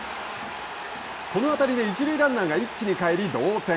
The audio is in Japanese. この当たりで一塁ランナーが一気に帰り同点。